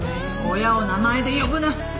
親を名前で呼ぶな！